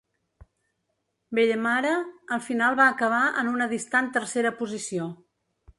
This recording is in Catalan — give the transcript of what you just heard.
Bellemare al final va acabar en una distant tercera posició.